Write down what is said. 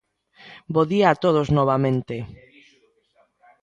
Bo día a todos novamente.